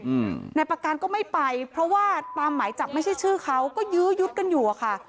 อืมนายประการก็ไม่ไปเพราะว่าตามหมายจับไม่ใช่ชื่อเขาก็ยื้อยุดกันอยู่อ่ะค่ะ